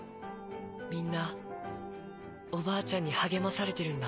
みんなおばあちゃんに励まされてるんだ。